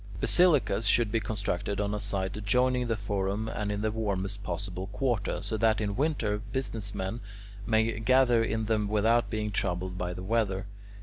Basilicas should be constructed on a site adjoining the forum and in the warmest possible quarter, so that in winter business men may gather in them without being troubled by the weather.